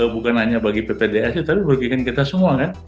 bukan hanya bagi ppds tapi merugikan kita semua kan